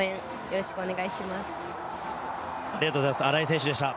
荒井選手でした。